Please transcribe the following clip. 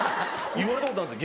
言われたことあるんですよ